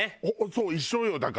そう一緒よだから。